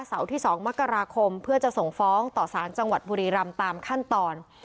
ที่๒มกราคมเพื่อจะส่งฟ้องต่อสารจังหวัดบุรีรำตามขั้นตอน